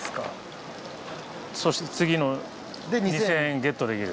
そして次の２，０００円ゲットできる。